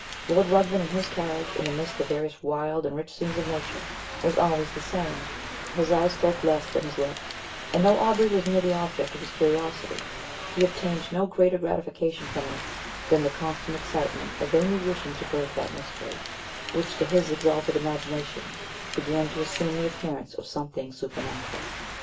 Lord Ruthven in his carriage, and amidst the various wild and rich scenes of nature, was always the same: his eye spoke less than his lip; and though Aubrey was near the object of his curiosity, he obtained no greater gratification from it than the constant excitement of vainly wishing to break that mystery, which to his exalted imagination began to assume the appearance of something supernatural.